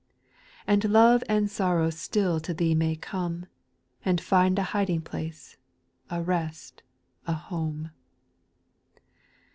And love and sorrow still to Thee may come, And find a hiding place, a rest, a home.